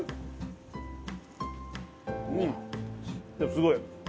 すごい。